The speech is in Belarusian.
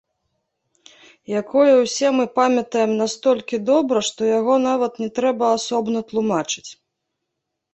Якое ўсе мы памятаем настолькі добра, што яго нават не трэба асобна тлумачыць.